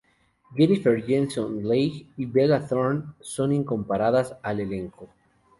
Jennifer Jason Leigh y Bella Thorne son incorporadas al elenco.